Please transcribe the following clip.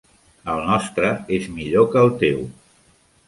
El nostre és millor que el teu.